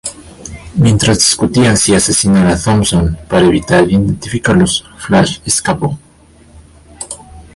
Mientras discutían si asesinar a Thompson para evitar identificarlos, Flash escapó.